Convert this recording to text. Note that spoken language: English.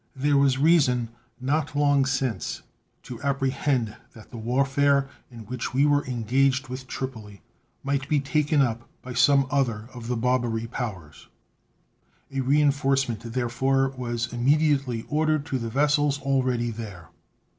There was reason not long since to apprehend that the warfare in which we were engaged with Tripoli might be taken up by some other of the Barbary Powers. A reenforcement, therefore, was immediately ordered to the vessels already there.